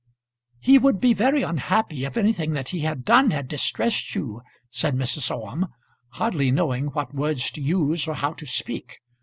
"He would be very unhappy if anything that he had done had distressed you," said Mrs. Orme, hardly knowing what words to use, or how to speak.